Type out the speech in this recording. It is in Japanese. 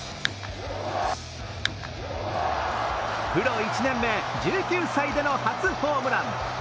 プロ１年目、１９歳での初ホームラン。